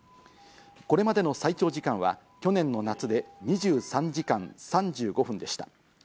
これまでの最長時間は去年の夏で２３時間３５分でした。